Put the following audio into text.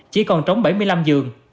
chỉ còn trống bảy mươi năm giường